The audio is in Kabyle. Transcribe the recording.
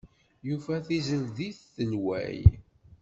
Yufa tizeldit telway.